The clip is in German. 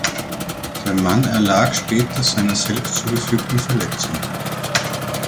Der Mann erlag später seiner selbst zugefügten Verletzung.